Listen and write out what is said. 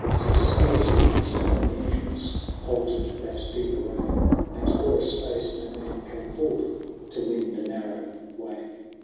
Six spears' lengths from the entrance Halted that deep array, And for a space no man came forth To win the narrow way.